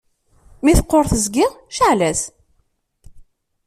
Mi teqquṛ teẓgi, cɛel-as!